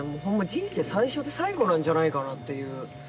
人生最初で最後なんじゃないかなっていう。